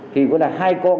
thì có là hai con